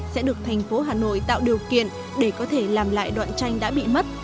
sẽ được thành phố hà nội tạo điều kiện để có thể làm lại đoạn tranh đã bị mất